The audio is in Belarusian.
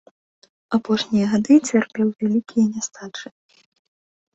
Апошнія гады цярпеў вялікія нястачы.